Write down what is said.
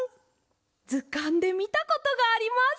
ずかんでみたことがあります！